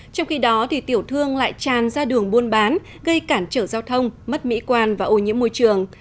trong khi đó tiểu thương lại tràn ra đường buôn bán gây cản trở giao thông mất mỹ quan và ô nhiễm môi trường